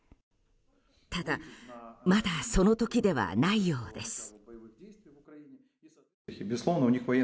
ただ、まだその時ではないようです。